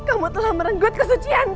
kamu telah merenggut kesucianku